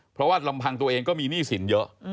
เพราะว่าลำพังตัวเองก็มีหนี้สินเยอะ